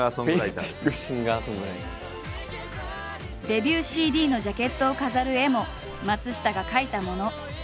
デビューＣＤのジャケットを飾る絵も松下が描いたもの。